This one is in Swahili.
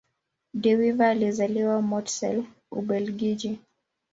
De Wever alizaliwa Mortsel, Ubelgiji.